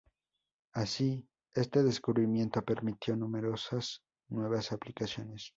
Así este descubrimiento permitió numerosas nuevas aplicaciones.